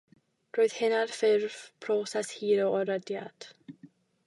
Roedd hyn ar ffurf proses hir o erydiad.